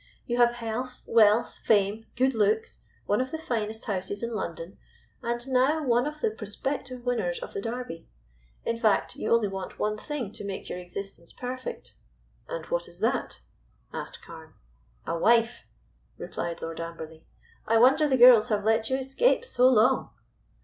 "You have health, wealth, fame, good looks, one of the finest houses in London, and now one of the prospective winners of the Derby. In fact, you only want one thing to make your existence perfect." "And what is that?" asked Carne. "A wife," replied Lord Amberley. "I wonder the girls have let you escape so long."